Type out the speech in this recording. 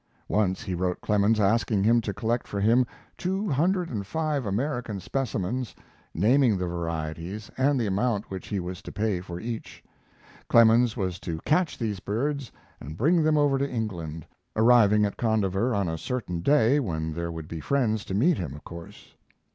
Once he wrote Clemens asking him to collect for him two hundred and five American specimens, naming the varieties and the amount which he was to pay for each. Clemens was to catch these birds and bring them over to England, arriving at Condover on a certain day, when there would be friends to meet him, of course.